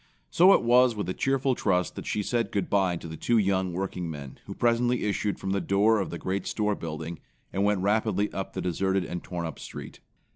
So it was with a cheerful trust that she said good bye to the two young workingmen who presently issued from the door of the great store building, and went rapidly up the deserted and torn up street.